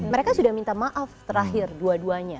mereka sudah minta maaf terakhir dua duanya